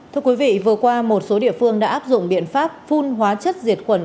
thưa quý vị vừa qua một số địa phương đã áp dụng biện pháp phun hóa chất diệt quần